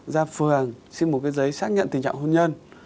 ra phường xin một giấy xác nhận tình trạng hôn nhân